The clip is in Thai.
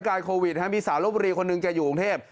โควิดมีสาวลบบุรีคนหนึ่งแกอยู่กรุงเทพ